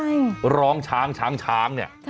น้องเขาตั้งใจล้องชาง